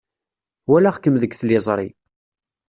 Walaɣ-kem deg tliẓri.